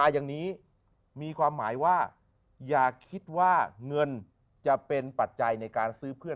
อย่างนี้มีความหมายว่าอย่าคิดว่าเงินจะเป็นปัจจัยในการซื้อเพื่อน